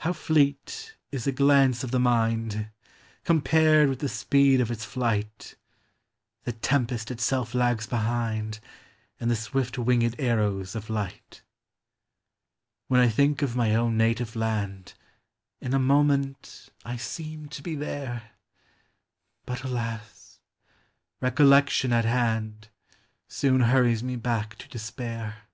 How fleet is a glance of the mind ! Compared with the speed of its flight, The tempest itself lags behind, And the swift winged arrows of light. MEMORY. 313 When I think of my own native land, In a moment I seem to be there ; But, alas ! recollection at hand Soon hnrries me back to despair.